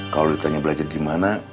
kalau ditanya belajar dimana